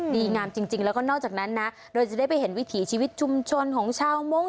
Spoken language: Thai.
ดีงามจริงแล้วก็นอกจากนั้นนะเราจะได้ไปเห็นวิถีชีวิตชุมชนของชาวมงค